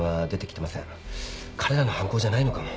彼らの犯行じゃないのかも。